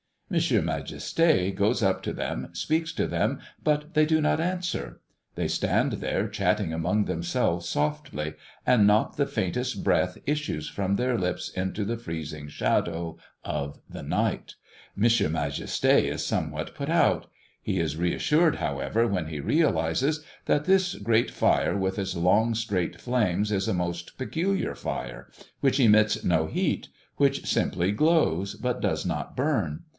M. Majesté goes up to them, speaks to them; but they do not answer; they stand there chatting among themselves softly, and not the faintest breath issues from their lips into the freezing shadow of the night. M. Majesté is somewhat put out. He is reassured, however, when he realizes that this great fire with its long straight flames is a most peculiar fire, which emits no heat, which simply glows, but does not burn.